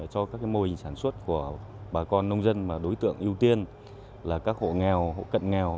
cho các mô hình sản xuất của bà con nông dân mà đối tượng ưu tiên là các hộ nghèo hộ cận nghèo